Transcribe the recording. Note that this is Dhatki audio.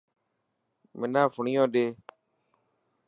منا فيڻو ڏي.